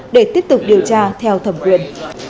để tiếp tục điều tra theo thẩm quyền